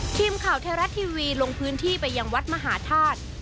ทีมข่าวไทยรัฐทีวีลงพื้นที่ไปยังวัดมหาธาตุ